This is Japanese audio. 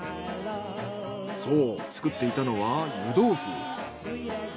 そう作っていたのは湯豆腐。